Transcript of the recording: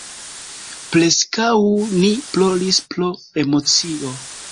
Preskaŭ ni ploris pro emocio.